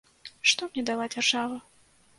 Што мне дала дзяржава?